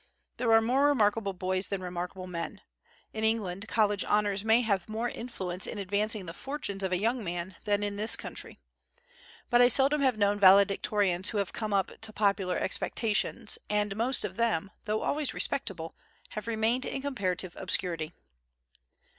There are more remarkable boys than remarkable men. In England, college honors may have more influence in advancing the fortunes of a young man than in this country; but I seldom have known valedictorians who have come up to popular expectations; and most of them, though always respectable, have remained in comparative obscurity.